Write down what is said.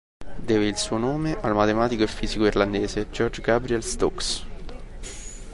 Deve il suo nome al matematico e fisico irlandese George Gabriel Stokes.